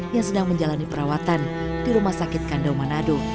yang sedang menjalani perawatan di rumah sakit kandaumanado